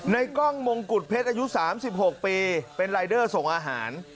กล้องมงกุฎเพชรอายุ๓๖ปีเป็นรายเดอร์ส่งอาหาร